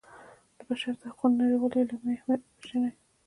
د بشر د حقونو نړیوالې اعلامیې اهمیت وپيژني.